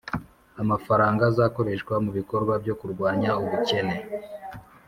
amafaranga azakoreshwa mu bikorwa byo kurwanya ubukene